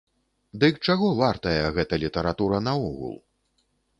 Дык чаго вартая гэта літаратура наогул?